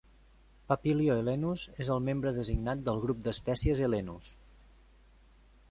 "Papilio helenus" és el membre designat del grup d'espècies "helenus".